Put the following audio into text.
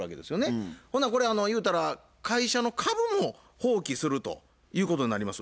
ほなこれ言うたら会社の株も放棄するということになります。